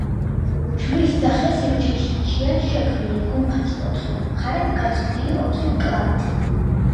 ჯვრის სახე სივრცეშია შექმნილი გუმბათის ოთხივე მხარეს გაწვდილი ოთხი მკლავით.